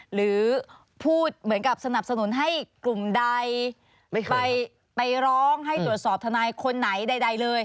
หรือพูดเหมือนกับสนับสนุนให้กลุ่มใดไปร้องให้ตรวจสอบทนายคนไหนใดเลย